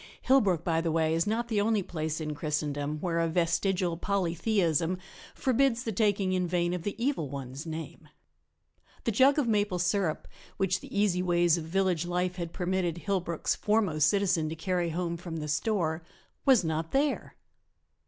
Hillbrook, by the way, is not the only place in Christendom where a vestigial polytheism forbids the taking in vain of the Evil One's name. The jug of maple sirup which the easy ways of village life had permitted Hillbrook's foremost citizen to carry home from the store was not there.